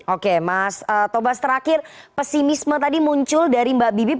oke mas tobas terakhir pesimisme tadi muncul dari mbak bibip